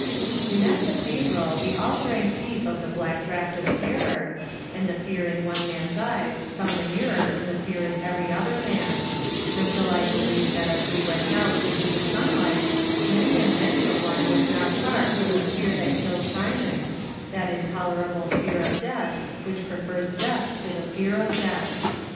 In that cathedral we all drank deep of the black draught of terror, and the fear in one man's eyes found a mirror in the fear in every other man's, imtil I believe that as we went out into the sunlight many and many a one was not far from the fear that killed Simon, that intolerable fear of death which prefers death to the fear of death.